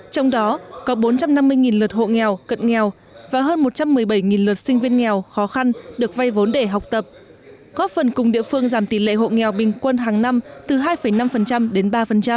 trong đó có bốn trăm năm mươi lượt hộ nghèo cận nghèo và hơn một trăm một mươi bảy lượt sinh viên nghèo khó khăn được vay vốn để học tập góp phần cùng địa phương giảm tỷ lệ hộ nghèo bình quân hàng năm từ hai năm đến ba